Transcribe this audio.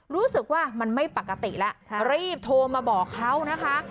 รู้สึกว่ามันไม่ปกติแล้วรีบโทรมาบอกเขานะคะ